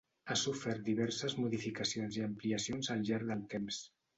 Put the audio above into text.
Ha sofert diverses modificacions i ampliacions al llarg del temps.